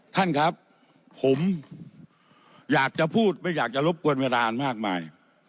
ท่านครับผมอยากจะพูดไม่อยากจะรบกวนเวลามากมาย